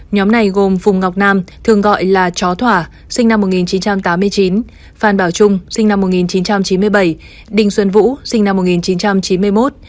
nhóm này gồm phùng ngọc nam thường gọi là chó thỏa sinh năm một nghìn chín trăm tám mươi chín phan bảo trung sinh năm một nghìn chín trăm chín mươi bảy đình xuân vũ sinh năm một nghìn chín trăm chín mươi một